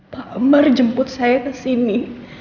pak ammar jemput saya kesini